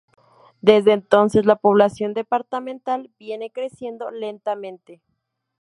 Desde entonces, la población departamental viene creciendo lentamente.